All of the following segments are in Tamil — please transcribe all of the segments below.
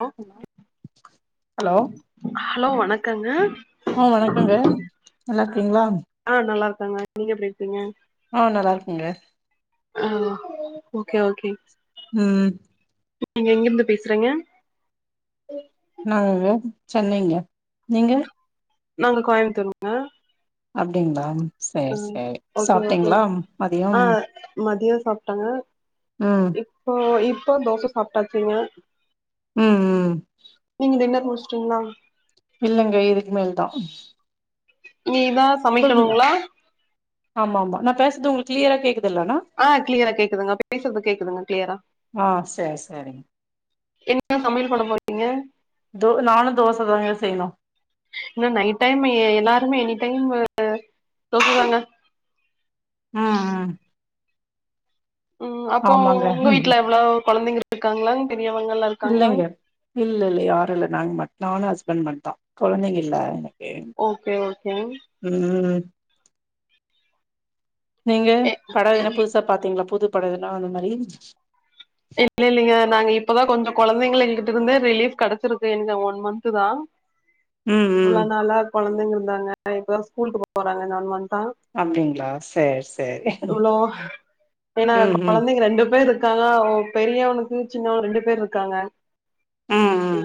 ஹலோ ஹலோ ஹலோ வணக்கங்க ஆ வணக்கங்க நல்லா இருக்கீங்களா ஆ நல்லா இருக்கேங்க நீங்க எப்டி இருக்கீங்க ஆ நல்லா இருக்கங்க ஆ ஓகே ஓகே ம் ம் நீங்க எங்கிருந்து பேசுறீங்க நாங்க சென்னைங்க நீங்க நாங்க கோயமுத்தூருங்க அப்டிங்களா சேர் சேர் சாப்பிட்டீங்களா மதியம் மதியம் சாப்ட்டங்க ஆ ஓ இப்போ தோச சாப்டாச்சுங்க ம் ம் நீங்க டின்னர் முடிச்டீங்களா இல்லேங்க இதுக்கு மேல் தான் நீ தாஸ் உங்கள்துதா ஆமா ஆமா நா பேசுறது உங்களுக்கு கிளியரா கேக்குதில்லனா ஆ கிளியரா கேக்குதுங்க பேசுறது கேக்குதுங்க கிளியரா ஆ சேர் செரிங்க என்ன சமையல் பண்ண போறீங்க தோ நானு தோச தாங்க செய்யணு இன்னும் நைட் டைம் எ எல்லாருமே எனி டைம் தோசதாங்க ஆ ஆ ம் அப்போ ஆமாங்க உங்க வீட்ல எவ்ளோ குழந்தைங்க இருக்காங்களா பெரியவங்கல்லா இருக்காங்களா இல்லைங்க இல்ல இல்ல யாரும் இல்ல நாங்க மட் தா நானும் ஹஸ்பண்ட் மட்தான் குழந்தைங்க இல்ல எனக்கு ஓகே ஓகே ம் ம் நீங்க படம் எதனா புதுசா பாத்தீங்களா புது படோ ஏன்னா அந்த மாரி இல்ல இல்லைங்க நாங்க இப்பதா கொஞ்சோ குழந்தைங்கள இங்கிட்ருந்து ரிலீஃப் கடைச்சிருக்கு எங்க ஒன் மந்த் தா ம் இவ்ளோ ம் நாளா குழந்தைங்க இருந்தாங்க இப்ப தா ஸ்கூலுக்கு போறாங்க இந்த ஒன் மன்த்தா அப்டிங்களா சேரி சேரி இவ்ளோ ஏன்னா ம் ம் குழந்தைங்க ரெண்டு பேர் இருக் இருக்காங்க பெரியவனுக்கு சின்னவன் ரெண்டு பேர் இருக்காங்க அ ம்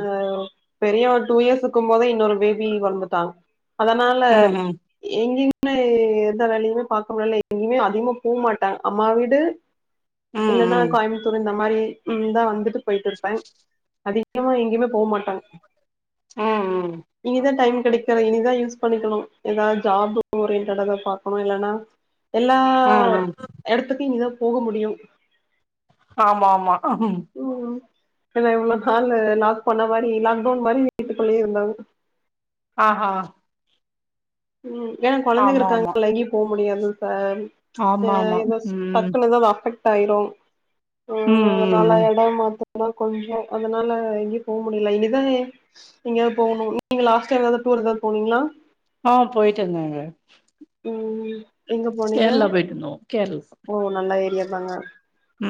பெரியவ டூ இயர்ஸ் இருக்கும் போதே இன்னொரு பேபி பொறந்துட்டா அதனால ம் ம் ம் எங்கேயுமே எந்த வேலையும் பார்க்க முடில எங்கேயுமே அதிகமா போ மாட்டே அம்மா வீடு ம் இல்லன்னா ம் கோயமுத்தூர் இந்த மாரி இந்தா வந்துட்டு போய்ட்டு இருப்பேன் அதி அதிகமா எங்கயுமே போம் மாட்டாங் ஆ ஆ இனிதான் டைம் கெடைக்கற இனிதான் யூஸ் பண்ணிக்கணும் ஏதாவது ஜாப் ஓரியன்டடதா பாக்கணும் இல்லன்னா எல்லா ம் ம் ம் இடத்துக்கு இனி தா போக முடியும் ஆமா ஆமா ம் ம் ஏன்னா இவ்ளோ ஹால்ல லாக் பண்ண மாரி லாக்டவுன் மாரி வீட்டுக்குள்ளேயே இருந்தாங்க ஆஹா ம் ஏன்னா குழந்தைங்க ஆமா ஆமா இருக்காங்க எங்கயும் போக முடியாதுல சார் ஆமா ஆ ஆமா இதோ ம் டக்குன்னு எதா அஃபெக்ட் தைரோ உ ம் அது நால ம் எடோ மாத் அதா கொஞ்சோ அதனால எங்கேயு போ முடியல இதய் எங்கயாவது போனு நீங்க லாஸ்ட்டா எதாவது டூர் ஏதாவது போனீங்களா ஆ போயட்டோந்தங்க ம் எங்க போனீங்க கேரளா போய்ட்டந்தோ கேர்ள் ஓ நல்ல ஏரியா தாங்க உ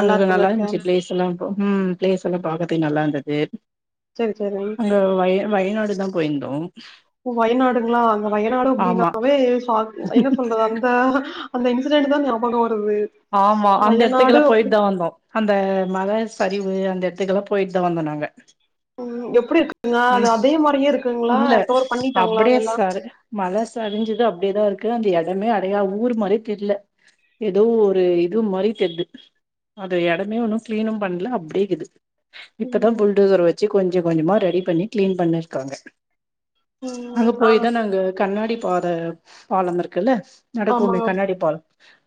அங்க நல்லா இருந்துச்சு பிளேஸ்ல்லா உ பிளேஸ் எல்லா பாக்கதுகு நல்லா இருந்தது சேரி சேரி அங்க வய வயநாடு தா போயிருந்தோ வயநாடுங்களா அந்த வயநாடு ஆமா அப்டின்னாவே சாக் என்ன சொல்றது அந்த அந்த இன்சிடெண்ட் தா ஞாபக வருது ஆமா அந்த வயநாடு எட்த்துக்குல்லா அப்டி போயிட்டு தா வந்தோ அந்த மழ சரிவு அந்த எட்த்துக்கல்லா போயிட்டு தா வந்தோ நாங்க உ எப்படி இருக்குங்க ம் அது அதே மாரியே இருக்குங்களா ரெக்கவர் பண்ணிட்டாங்களா எல்லா மழ சரிஞ்சது அப்டியேதா இருக்கு அந்த எடமே அடையா ஊர் மாரி தெர்ல ஏதோ ஒரு இது மாரி தெர்து அந்த எடமே ஒன்னு கிளீனு பண்ல அப்டியேக்குது இப்பதா ம் புல்டவுசற் வச்சு கொஞ்ச கொஞ்சமா ரெடி பண்ணி கிளீன் பண்ணிர்க்காங்க ம் அங்க ஆ போயிதா நாங்க கண்ணாடி பார பாலம் இருக்குள நடக்குமே ஆமாங்க கண்ணாடி பால்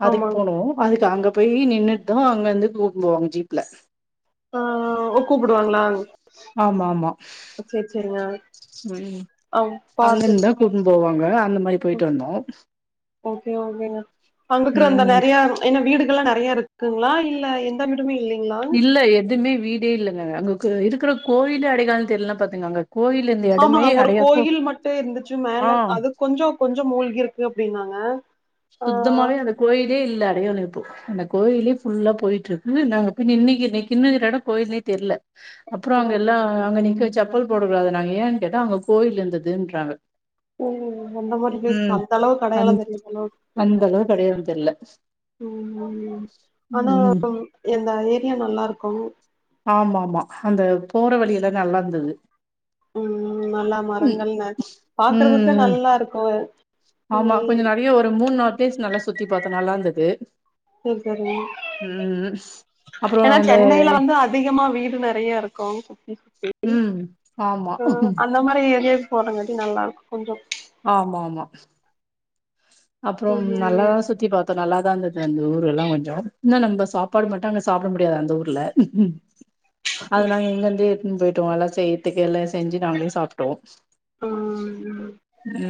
அதுக்கு ஆமாங்க போனோ அதுக்கு அங்க போய் நின்னுட்டு அங்னருந்து கூப்னுபோவாங்க ஜீப்ல ஆ ஒகூப்புடுவாங்களா ஆமா ஆமா செரி செரிங்க ம் அவ் பாத்து அங்கன்னு தா கூட்னு போவாங்க அந்த மாரி உ போயிட்டு வந்தோ ஓகே ஓகேங்க அங்கக்கற அந்த ம் நறைய என்ன வீடுகள்ல்லா நெறைய இருக்குங்களா இல்ல என் எல்லார் விடுமே இல்லைங்களா இல்ல எதுமே வீடே இல்லங்க அங்க இருக்கிற கோயிலே அடைக்கால தெரிலன பாத்துங்கங்க கோயில் இந்தி ஆமாங்க ஒரு கோயில் மட்டு இருந்துச்சு ஆ மேல அது கொஞ்ச கொஞ்ச மூழ்கிருக்கு அப்டின்னாங்க ஆ சுத்தமாவே அந்த கோயிலே இல்ல அடையாள‌ இப்ப அந்த கோயிலே ஃபுல்லா போயிட்ருக்கு நாங்க போய் நின்னிக்கு கின்னுக்கிறடோ கோயில்னே தெர்ல அப்பற அங்க ஓகே எல்லா அங்க நீக்க செப்பல் போடகூடாது நாங்க ஏன்னு கேட்டா அங்க கோயில் இந்துதுன்றாங்க ஓ அந்த மாரி ஃப்லேஸ் அந்த அளவுக்கு அந் கடையாள தெரியாத அளவுக் ம் அந்த அளவுக்கு அடையாளோ தெர்ல உண்மையாலயே ஆனா ம் [inaudible] எங்க ஏரியா நல்லாருக்கு ஆமா ஆமா அந்த போற வழிய எல்லா நல்லா இருந்தது உ நல்லா ம் மரங்கள் ன பாக்குறதுக்கு ம் நல்லா இருக்கு ஆமா கொஞ்ச ம் நெறைய ஒரு மூணு நாள் ஃப்ளேஸ் நல்லா சுத்தி பாத்தோ நல்லா இருந்தது சேரி சேரி ம் அப்றோ ஏன்னா அந்த சென்னையில வந்து அதிகமா வீடுன நெறைய இருக்கு உ உ ம் ஆமா அ அந்த மாரி ஏரியாஸ் போட்டங்காட்டி நல்லாயிருக்கு கொஞ்சோ ஆமா ஆமா அப்றோம் ம் நல்லாதா சுத்தி பாத் இப்ப நல்லாதா இந்தது அந்த ஊர் எல்லா கொஞ்சோ என்ன நம்ம சாப்பாடு மட்டு சாப்புட முடியாது அந்த ஊர்ல அது நாங்க இங்க இருந்தே எடுதுன்னு போயிட்டோ எல்லா செய்யதுக்க எல்லா செஞ்சு நாங்களே சாப்டோ ம்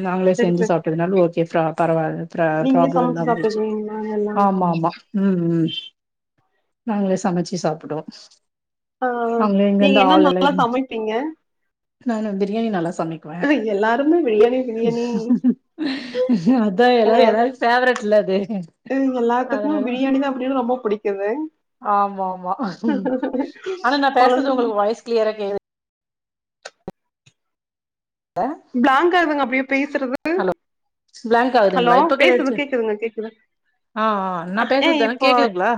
நாங்களே சரி செஞ்சு சரி சாப்ட்டதுனாலு ஓகே ஃப்ரா பரவாழ ப்ரா நீங்களே பிராப்ளம் சமைச்சு நடந்துச்சி சாப்ட்டுக்குவீங்களா எல்லா ம் ம் நாங்களே சமச்சு சாப்புடுவோ ஓ நீங்க என்ன நல்லா சமைப்பீங்க நானா பிரியாணி நல்லா சமைக்குவே எல்லாருமே பிரியாணி பிரியாணி அதா எல்லாரு எல்லாருக் ஃபேவரெட்ல அது இங்க எல்லாத்துக்கும் அதனால பிரியாணி தா அப்டின் ரொம்ப புடிக்குங்க ஆமா ஆமா ஆனா நா கொழந் பேசற்து உங்களுக்கு வாய்ஸ் கிளியரா கேக் பிளாங்காகுதுங்க அப்டியே பேசற்து ஹலோ பிளாங்க் ஆவுதுங்ளா இப்ப கேட்ச்ச கேக்குதுங்க கேக்குது ஆ ஆ நா அஹ், ஏ பேசற்து ஆனா இப்போ கேக்குதுங்ளா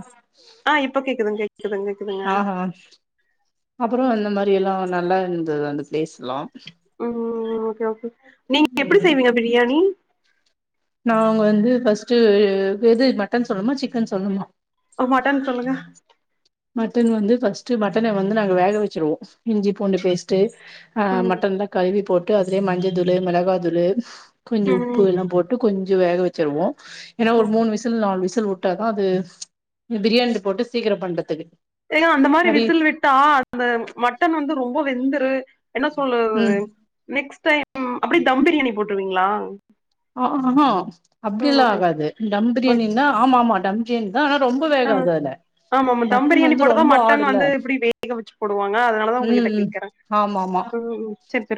ஆ இப்ப கேக்குதுங்க கேக்குதுங்க ஆ ஆ அப்பறம் அந்த மாரி எல்லா நல்லா இருந்தது அந்த பிளேஸ் எல்லா ம் ஓகே ஓகே நீங்க எப்டி ம் செய்வீங்க பிரியாணி நாங்க வந்து ஃபர்ஸ்ட்டு எது மட்டன் சொல்னுமா சிக்கன் சொல்னுமா மட்டன் சொல்லுங்க ம் மட்டன் வந்து ஃபர்ஸ்ட்டு மட்டன வந்து நாங்க வேக வெச்சுருவோ இஞ்சி பூண்டு பேஸ்ட்டு ஆ ம் மட்டன்லா கழுவி போட்டு அதுலே மஞ்ச தூளு மெளகா தூளு கொஞ்சோ உப்பு ம் எல்லாம் போட் ட்டு கொஞ்சோ வேக வெச்சுருவோ ஏன்னா ஒரு ஓகே மூண் விசுல் ல் நால் விசில் உட்டாதா அது பிரியாணில போட்டு சீக்கரம் பண்றதுக்கு ஏங்க அந்த மாரி கறி விசில் விட்டா அந்த மட்டன் வந்து ரொம்ப வெந்துரு என்ன சொல்லறது ம் நெக்ஸ்ட் டைம் அப்டே தம் பிரியாணி போட்டுவீங்ளா ஆ அ ஆ அப்டில்லா ஆகாது தம் பிரியாணின்னா ஆமா ஆமா தம் பிரியாணி அதா ஆனா ரொம்ப வேகாது அதுல ஆமாமா தம் மட்டன் பிரியாணி வந்து போட்டாதா ரொம்ப மட்டன் ஆடுல வந்து இப்டி வேக வெச்சு போடுவாங்க அதனால தா உங்க கிட்ட கேக்கற ஆமாமா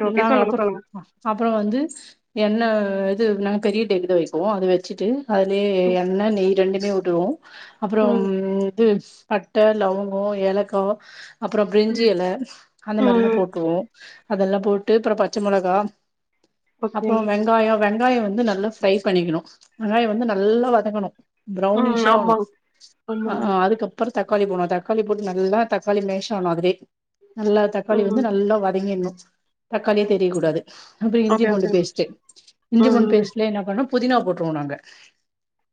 இந்தாங்க சொல்லுங்க சொல்லுங்க அப்பறோ வந்து எண்ணெ இது நாங்க பெரிய தேக்குதா வெப்போ அத வெச்சுட்டு அதுலே ம் எண்ணெ நெய் ரெண்டுமே விடுவோ அப்றம் ம் இது பட்ட லவங்கோ ஏலக்கா அப்பறம் பிரிஞ்சி எல அந்த மாரிலா ம் போட்ருவோ அதுல்லா போட்டு அப்றம் பச்ச மொளகா ஓகே அப்றம் வெங்காயம் வெங்காயம் வந்து நல்லா ஃப்ரை பண்ணிக்கணு வெங்காயம் வந்து நல்லா வதங்கணு ம் பிரவுனிஸ்ஷா ஆவ்னு ஆமாங் ஆமாங்க அதுக்கப் ற தக்காளி போணு தக்காளி போட்டு நல்லா தக்காளி மேஷ் ஆனும் அதுலே நல்லா தக்காளி வந்து ம் நல்லா வதங்கினும் தக்காளியே தெரியக் கூடாது அப்றோ இஞ்சி ஓகே பூண்டு ஓகே பேஸ்ட் இஞ்சி ம் பூண்டு ம் பேஸ்ட்லே என்ன பண்ணனு புதினா போட்ருவோ நாங்க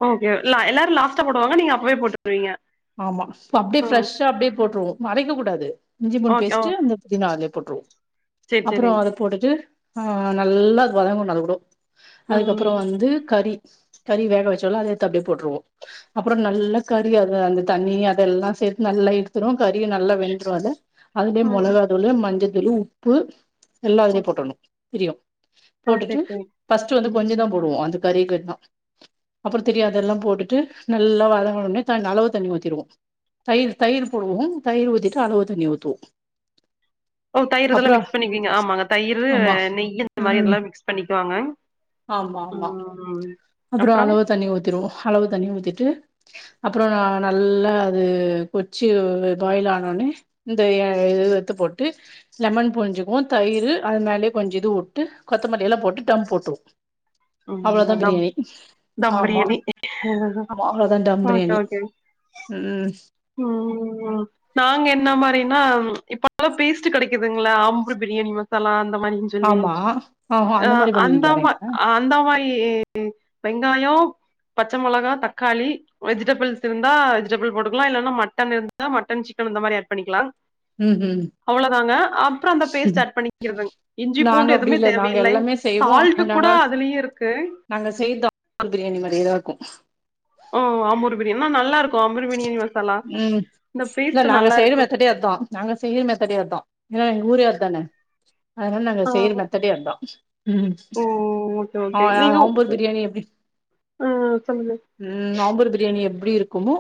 ஓகே எல்லா எல்லாரு லாஸ்ட்டா போடுவாங்க நீங்க அப்பவே போட்ருவீங்க ஆமா அப்டியே ஃபெர்ஷ்ஷா அப்டியே போட்ருவோ அரைக்க கூடாது இஞ்சி பூண்டு ஓகே ஓ பேஸ்ட்டு அந்த புதினா அதுலயே போட்ருவோ செரி அப்றோ செரிங் அத போட்டுட்டு ஆ நல்லா அது வதங்கனு அதுக்கூடோ ம் அதுக்கப்பறோ ம் வந்து கறி கறி வேக வெச்சோல்ல அத எத்து அப்டியே போட்ருவோ அப்பறம் நல்லா கறி அத அந்த தண்ணி அதெல்லா சேத்து நல்லா எடுத்துரு கறியும் நல்லா வெந்துரு அதுல அதுலே ம் மொளகா தூளு மஞ்சத்தூளு உப்பு எல்லா ஓ அதுலே போட்டுணு திரியு ஆ போட்டுட்டு செரி செரி ஃபர்ஸ்ட்டு வந்து ம் கொஞ்சதா போடுவோ அந்த கறிய கேட்தா அப்றம் திரியு அதெல்லா போட்டுட்டு நல்லா வதங்கன ஒன்னே தண் அளவு தண்ணி ஊத்தி திருவோ தயிர் தயிரு போடுவோ தயிர் ஊத்திட்டு அளவு தண்ணி ஊத்துவோ ஓ தயிர் இதெல்லா மிக்ஸ் பண்ணிக்கிவிங்க ஆம்மாங்க தயிர் ஆமா நெய் இந்த மாரி இதல்லா மிக்ஸ் பண்ணிக்குவாங்க ம் அப்றம் அப்றோ அளவு தண்ணி ஊத்திருவோ அளவு தண்ணி ஊத்திட்டு அப்ற நா நல்லா அது கொச்சி பாயில் ஆனோனே இந்த இது எத்து போட்டு லெமன் புழிஞ்சிக்குவோ தயிரு அது மேலயே கொஞ்சோ இது உட்டு கொத்தமல்லியெல்லா போட்டு டம் போட்ருவோ அவ்ளதா ம் தம் பிரியாணி தம் ஆமா பிரியாணி ஆமா அவ்ளதா டம் பிரியாணி ம் ம் ம் ம் நாங்க என்ன மாரினா இப்பெல்லா பேஸ்ட் கெடைக்குதுங்ளா ஆம்பூர் பிரியாணி மசாலா அந்த மாரி ஆமா ஆஹா ஆ மாரி அந்த பண்ணுவீங்களா மா நீங்க ஆ அந்தா மாரி வெங்காயம் பச்ச மொளகா தக்காளி வெஜிடபிள்ஸ் இருந்தா வெஜிடபிள் போட்டுக் இதெல்லா இல்லன்னா மட்டன் இருந்த மட்டன் சிக்கன் இந்த மாரி ஆட் பண்ணிக்கலா ம் ம் அவ்ளோதாங்க அந்த பேஸ்ட் ஆட் பண்ணிக்கிறதுங்க இஞ்சி நாங்க பூண்டு அப்படி எதுவுமே இல்ல நாங்க தேவையில்லை எல்லாமே செய்வோம் சால்ட கூட நாங்க அதுலயே இருக்கு நாங்க செய்யறது ஆம்பூர் பிரியாணி மாரியே தா இருக்கு ஓ ஆம்பூர் பிரியாணி ஆனா நல்லா இருக்கு ஆம்பூர் பிரியாணி மசாலா இந்த பேஸ்ட் நல்லா இருக்கு அப்டிய அதா நாங்க செய்றமேத்தடே அதா ஏன்னா எங்க ஊரே அதானே அதனால நாங்க ஆ செய்ற மெத்தட்டே அதா ம் ஓ ஓகே ஆ ஆ அம்பூர் பிரியாணி எப்டி ஆ சொல்லுங்க ம் அம்பூர் பிரியாணி எப்டி இருக்குமோ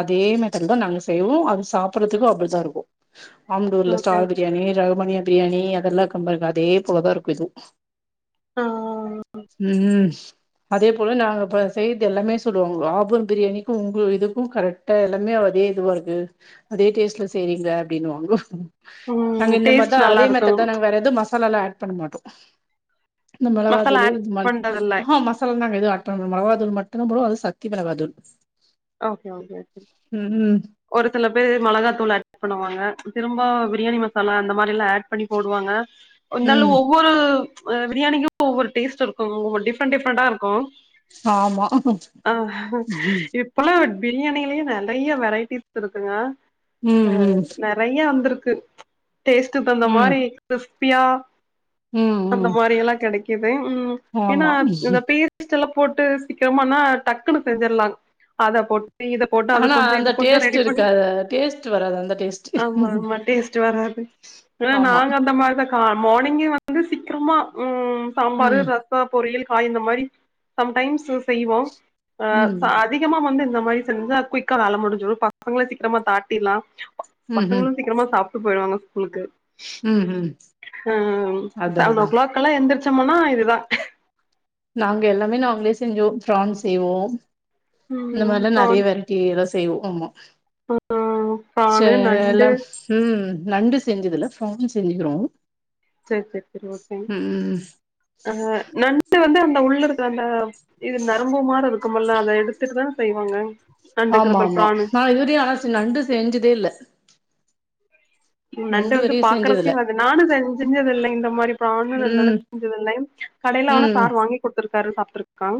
அதே மேத்தட்ல தா நாங்க செய்வோ அது சாப்புட்றதுக்கு அப்டிதா இருக்கு ஆம்பூர்ல ஓகே ஓ ஸ்டார் பிரியாணி ரகுமணியா பிரியாணி அதெல்லா கம்பர் அதே போல தா இருக்கு இதுவு ஆ ம் அதே போல நாங்க இப்ப செய்யறத எல்லாமே சொல்லுவாங்க ஆம்பூர் பிரியாணிக்கு உங்க இது கு கரெக்டா எல்லாமே அதே இதுவா இருக்கு அதே டேஸ்ட்ல செய்யறீங்க அப்டின்னுவாங்கோ நாங்க ம் இந்த டேஸ்ட் மார்தா நல்லா அதே இருக்கு மெத்தட் தா நாங்க வேற ஏதுவு மசா மசாலால்லா ஆட் பண்ண மாட்டோ இந்த மெளகா மசாலா தூளு ஆட் இது மா பண்றதில்ல ஆ ஹா மசாலால்லா எதுவு ஆட் அப்றோ நம்ம மொளகா தூளு மட்டுந்தா போடுவோ அதுவு சக்திமெளகா தூள் ஓகே ஓகே ம் ம் ஒரு சில பேரு மொளகாத்தூள ஆட் பண்ணுவாங்க திரும்ப பிரியாணி மசாலா அந்த மாரில்லா ஆட் பண்ணி போடுவாங்க இருந்தாலு ம் ஒவ்வொரு ம் பிரியாணிக்குன்னு ஒவ்வொரு டெஸ்ட் இருக்கு ஒவ்வொரு டிஃப்ரண்ட் டிஃப்ரண்டா இருக்கு ஆமா ஆஹ ம் இப் இப்பல்லா பிரியாணிலயே நறைய வெரைட்டிஸ் இருக்குங்க அ ந ம் நறைய வந்துருக்கு டேஸ்ட்டுக் தகுந்த ம் மாரி கிறிஸ்பியா ம் அந்த ம் மாரி எல்லா கெடைக்குது ம் ஏனா ஆமா இந்த பேர் ஸ்டெல்லா போட்டு சீக்கரமானா டக்குன்னு செஞ்சர்லாங் அத போட்டு இத போட்டு அது ஆனா கொஞ்சோ அந்த இது கொஞ்சோ டேஸ்ட் ரெடி பண்ணி இருக்காது டேஸ்ட் வராது அந்த டேஸ்ட் ஆமா ஆமா டேஸ்ட்டு வராது ஏனா ஆமா நாங்க அந்த மாரிதா கா மார்னிங்கே வந்து சீக்கரமா ம் சாம்பாரு ம் ர ஆ பொரியல் காய் இந்த மாரி சம்டைம்ஸ் செய்வோ அ ம் சா அத் அதிகமா வந்து இந்த மாரி செஞ்சா குயிக்கா வேலை முடிஞ்சிரு பசங்கள சீக்கிரமா சாட்டிர்லா ம் ம் பசங்களு சீக்கிரமா சாப்டு போயிடுவாங்க ஸ்கூலுக்கு ம் ம் ம் ம் ம் அதா செவன் ஓ அதா கிளாக்லா எந்திரிச்சோம்னா இதுதா நாங்க எல்லாமே நாங்களே செஞ்சோ ஃபிரான் செய்வோ இந்த ம் மாரில்லா ப்ரான் நெறைய வெர ட்டி இதெல்லா செய்வோ ஆமா சே ப்ரானு நண்டு எல்லா ம் நண்டு செஞ்சதுல ப்ரான் செஞ்சுக்கிறோ சேரி சேரி சேரி ஓகேங்க ம் அ நண்டு வந்து அந்த உள்ள இருக்க அந்த இது நரம்பு மாரி இருக்குமல்ல அத எடுத்துட்டு தான செய்வாங்க நண்டுங்குற ஆமா பாரு ப்ரானு [unintelligible] நண்டு செஞ்சதே இல்ல நண்டு வந்து வரையு செஞ்சதில்ல பாக்குறக்கே அது நானு செஞ்சஞ்சது இல்லங்க இந்த மாரி ப்ரானு ம் அந்தளவுக் செஞ்சதில்ல கடையில ஆனா ம் சார் வாங்கி குடுத்திருக்காரு சாப்டுருக்க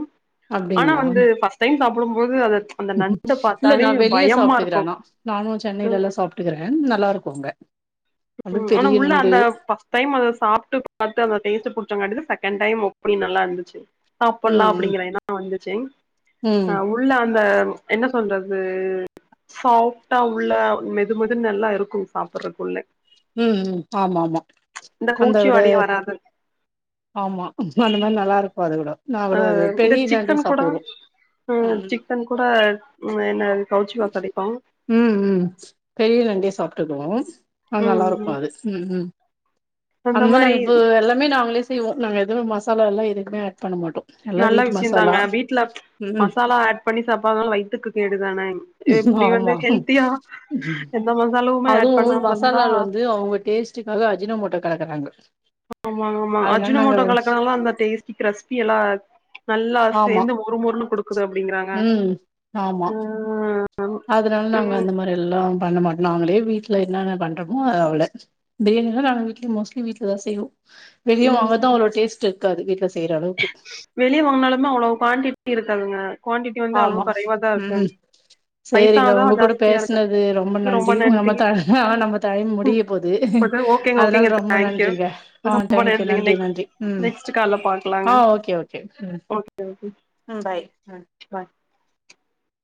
ஆனா அப்டிங்களா வந்து ஃபஸ்ட் டைம் சாப்டும் போது அது அந்த நண்ட இல்ல பாத்தாவே நா வெளிய பயமா சாப்ட்டுக்கற இருக்கு ஆனா நானு ம் சென்னையிலல்லா சாப்ட்டுக்கற நல்லா இருக்கு அங்க ம் அப்டி ம் ஆனா பெரிய உள்ள நண்டு அந்த பஸ் ஃபஸ்ட் டைம் அத சாப்ட்டு பாத்து அந்த டேஸ்ட்டு புடிச்சங்காட்டிதா செகண்ட் டைம் ஹோப்புல்லி நல்லா இருந்துச்சு சாப்பட்லா ம் ம் அப்டிங்கிற எண்ணோ வந்துச்சு ம் அ உள்ள அந்த என்ன சொல்றது சாஃப்டா உள்ள மெது மெதுன் நல்லா இருக்கு சாப்படுறக்குள்ள ம் ம் ஆமா ஆமா இந்த அந்த கவுச்சி விட வாடையே வராது ஆமா அந்த மாரி நல்லா இருக்கு அது கூட நா கூட அது இந்த பெரிய நண்டே சிக்கன் கூட சாப்ட்டுக்குறோ ம் சிக்கன் கூட ம் என்னா இது கவுச்சி வாசோ அடிக்கு ம் ம் பெரிய நண்டே சாப்ட்டுக்குவோ அது நல்லா இருக்கு ம் அது ம் ம் அந்த மாரி நாங்க இப்ப எல்லாமே நாங்களே செய்வோ நாங்க எதுவுமே மசாலால்லா எதுக்குமே ஆட் பண்ண மாட்டோ எல்லா நல்ல வீட்டு விஷய தாங்க மசாலா வீட்ல ம் மசாலா ஆட் பண்ணி சாப்பாதால வயித்துக்கு கேடு தானே ஆமா எந்த மசாலாவுமே ஆட் அதுவு பண்ணாம இருந்தா மசாலால வந்து அவுங்க டேஸ்ட் டுக்காக அஜினம் மோட்டோ களக்கறாங்க ஆமா ஆமா அஜின மோட்டோ கலக்கறனால்லதா அந்த டேஸ்ட்டி கரஸ்ப்பி எல்லா நல்லா ஆமா சேந்து மொறு மொறுன்னு குடுக்குது அப்டிங்கறாங்க ம் ஆமா அ அதனால நாங்க அந்த மாரி எல்லா பண்ண மாட்டோ நாங்களே வீட்ல என்னென்ன பண்றமோ அது அவ்ள பிரியாணிலா நாங்க வீக்லி மோஸ்ட்லி வீட்ல தா செய்வோ வெளிய வாங்கறது ம் அவ்ளோ டேஸ்ட்டு இருக்காது வீட்ல செய்ற அளவுக்கு வெளிய வாங்கனாலுமே அவ்ளோ குவாண்ட்டிட்டி இருக்காதுங்க குவாண்ட்டிட்டி வந்து அளவு ஆமா குறைவாதா வைப்பாங் ம் சேரிங்க உங்க கூட பேசுனது ரொம்ப நன்றி நம்ம த நம்ம டைம் முடிய போது ஓகேங்க அதனால ஓகேங்க ரொம்ப தேங்க்யூ நன்றிங்க ஆ ரொம்ப தேங்க்யூ நன்றிங்க நன்றி நெக்ஸ்ட் நன்றி ம் நெக்ஸ்ட் கால்ல ஆ பாக்கலாங்க ஓகே ஓகே ம் ஓகே ம் பாய் ம் பாய்